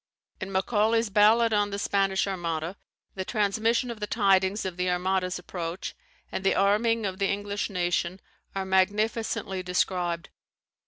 [In Macaulay's Ballad on the Spanish Armada, the transmission of the tidings of the Armada's approach, and the arming of the English nation, are magnificently described.